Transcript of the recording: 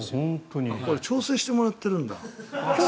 これ調整してもらってるんだ。